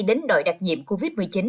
đến đội đặc nhiệm covid một mươi chín